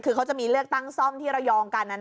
คือเค้าจะมีเลือกตั้งซ่อมที่เรียงกันอ่ะนะ